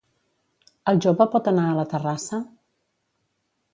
El jove pot anar a la terrassa?